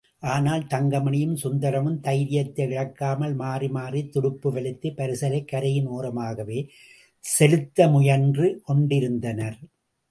ஆனால், தங்கமணியும் சுந்தரமும் தைரியத்தை இழக்காமல் மாறிமாறித் துடுப்பு வலித்து, பரிசலைக் கரையின் ஓரமாகவே செலுத்த முயன்று கொண்டிருந்தனர்.